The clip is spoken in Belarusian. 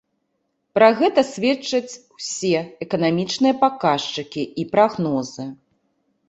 Пра гэта сведчаць усе эканамічныя паказчыкі і прагнозы.